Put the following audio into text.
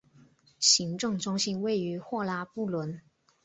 行政中心位于霍拉布伦。